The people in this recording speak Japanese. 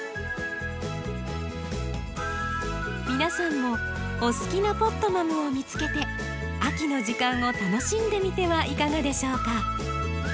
皆さんもお好きなポットマムを見つけて秋の時間を楽しんでみてはいかがでしょうか。